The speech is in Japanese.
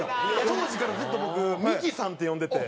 当時からずっと僕「ミキさん」って呼んでて。